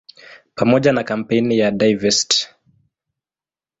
Pamoja na kampeni ya "Divest!